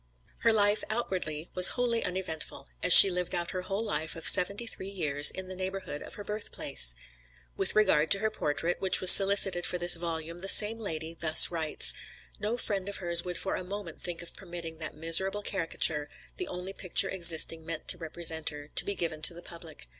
"Her life outwardly was wholly uneventful; as she lived out her whole life of seventy three years in the neighborhood of her birth place." With regard to her portrait, which was solicited for this volume, the same lady thus writes: "No friend of hers would for a moment think of permitting that miserable caricature, the only picture existing meant to represent her, to be given to the public.